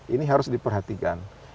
ini harus diperhatikan